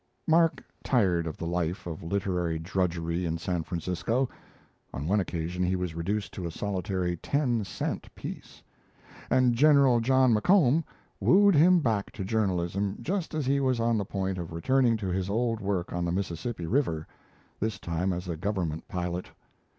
Mark tired of the life of literary drudgery in San Francisco on one occasion he was reduced to a solitary ten cent piece; and General John McComb wooed him back to journalism just as he was on the point of returning to his old work on the Mississippi River, this time as a Government pilot.